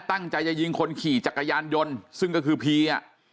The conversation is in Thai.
ตั้งใจจะยิงคนขี่จักรยานยนต์ซึ่งก็คือพีอ่ะ